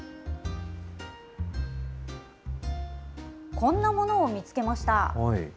こんなものを見つけました。